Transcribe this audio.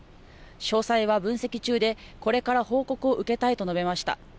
詳細は分析中で、これから報告を受けたいと述べました。